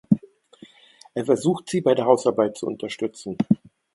Er versucht sie bei der Hausarbeit zu unterstützen.